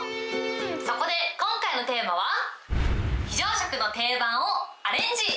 そこで今回のテーマは、非常食の定番をアレンジ。